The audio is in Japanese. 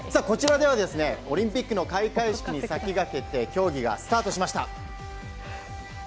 こちらでは北京オリンピックの開会式に先駆けて競技がスタートしました。